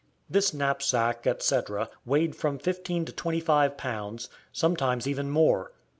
This knapsack, etc., weighed from fifteen to twenty five pounds, sometimes even more.